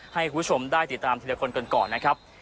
ให้คุณผู้ชมได้ติดตามทีละคนกันก่อนนะครับ